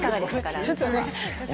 ちょっとね。